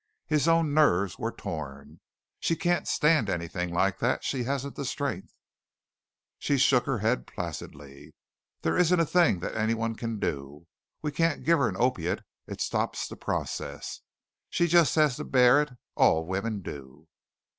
His own nerves were torn. "She can't stand anything like that. She hasn't the strength." She shook her head placidly. "There isn't a thing that anyone can do. We can't give her an opiate. It stops the process. She just has to bear it. All women do."